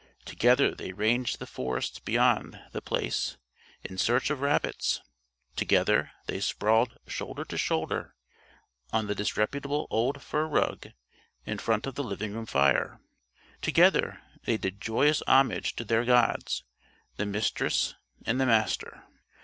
Together they ranged the forests beyond The Place in search of rabbits. Together they sprawled shoulder to shoulder on the disreputable old fur rug in front of the living room fire. Together they did joyous homage to their gods, the Mistress and the Master.